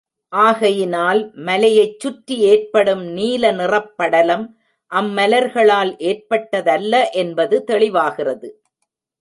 ஆகையினால் மலையைச் சுற்றி ஏற்படும் நீல நிறப்படலம் அம்மலர்களால் ஏற்பட்டதல்ல என்பது தெளிவாகிறது.